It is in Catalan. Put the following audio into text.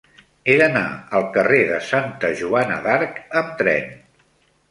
He d'anar al carrer de Santa Joana d'Arc amb tren.